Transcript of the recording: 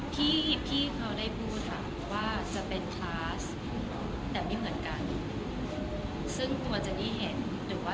จริงจริงอันนี้ก็เป็นเรื่องที่เดี๋ยวเราไปต่อมาดูนะคะอันนี้ต่อมาดูเรื่องละครับก่อนดีกว่า